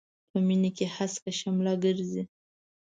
په مينې کې هسکه شمله ګرځي.